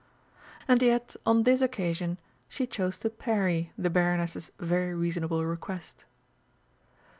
And yet on this occasion she chose to parry the Baroness's very reasonable request.